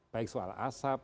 baik soal asap